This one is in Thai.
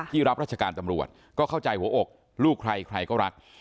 รับราชการตำรวจก็เข้าใจหัวอกลูกใครใครก็รัก